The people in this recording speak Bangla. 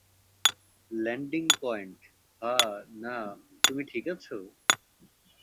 ল্যান্ডিং পয়েন্ট, -হা-না, তুমি ঠিক আছো?